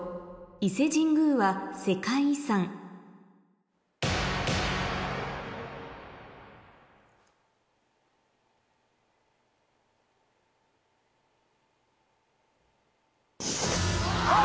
伊勢神宮は世界遺産あ！